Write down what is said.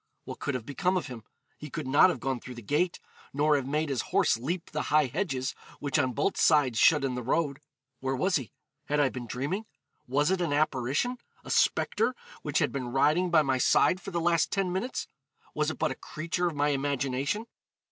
What could have become of him? He could not have gone through the gate, nor have made his horse leap the high hedges, which on both sides shut in the road. Where was he? had I been dreaming? was it an apparition a spectre, which had been riding by my side for the last ten minutes? was it but a creature of my imagination?